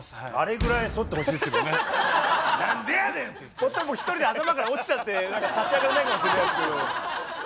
そしたらもう一人で頭から落ちちゃって立ち上がれないかもしれないですけど。